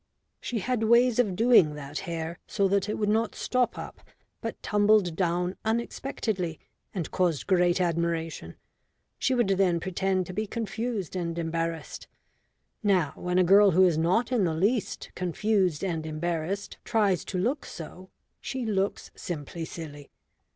She had ways of doing that hair so that it would not stop up, but tumbled down unexpectedly and caused great admiration. She would then pretend to be confused and embarrassed. Now, when a girl who is not in the least confused and embarrassed tries to look so, she looks simply silly.